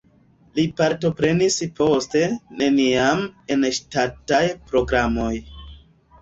Li partoprenis poste neniam en ŝtataj programoj.